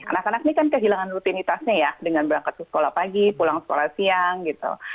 anak anak ini kan kehilangan rutinitasnya ya dengan berangkat ke sekolah pagi pulang sekolah siang gitu